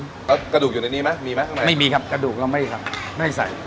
กระดูกอยู่ในนี้มั้ยมีมั้ยไม่มีครับกระดูกเราไม่ใส่